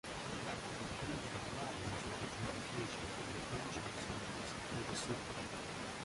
There came to be problems with interpretation of the franchise terms, for the city.